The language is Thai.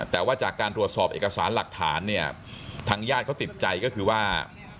แต่ว่าจากการตรวจสอบเอกสารหลักฐานเนี่ยทางญาติเขาติดใจก็คือว่า